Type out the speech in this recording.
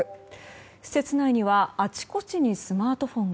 施設内にはあちこちにスマートフォンが。